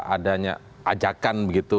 adanya ajakan begitu